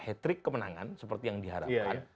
hat trick kemenangan seperti yang diharapkan